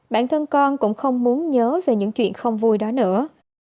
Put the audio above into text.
bản thân con cũng không muốn nhớ về những chuyện không vui đó nữa